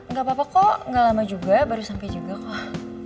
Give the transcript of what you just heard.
nggak apa apa kok gak lama juga baru sampai juga kok